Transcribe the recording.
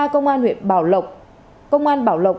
công an huyện bảo lộc